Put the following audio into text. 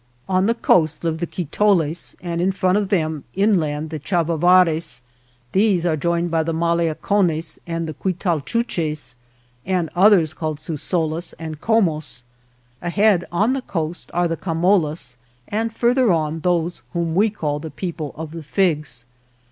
On the coast live the Quitoles, and in front of them, inland, the Chauauares. These are joined by the Maliacones and the Cultalchiilches and others called Susolas and Comos, ahead on the coast are the Camolas, and further on those whom we call the people of the figs.